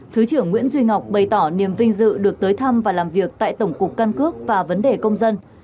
thứ trưởng nguyễn duy ngọc bày tỏ niềm vinh dự được tới thăm và làm việc tại tổng cục căn cước và vấn đề công dân